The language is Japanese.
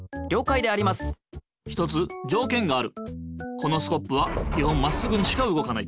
このスコップは基本まっすぐにしかうごかない。